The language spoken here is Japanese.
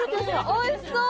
おいしそう！